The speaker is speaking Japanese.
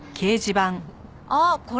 あっこれ。